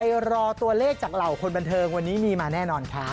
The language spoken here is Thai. รอตัวเลขจากเหล่าคนบันเทิงวันนี้มีมาแน่นอนครับ